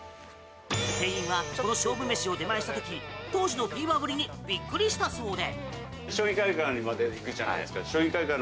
店員はこの勝負飯を出前した時当時のフィーバーぶりにびっくりしたそうで。